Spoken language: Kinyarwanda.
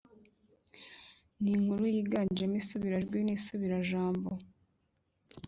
Ni inkuru yiganjemo isubirajwi n isubirajambo